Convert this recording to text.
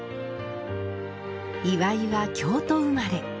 「祝」は京都生まれ。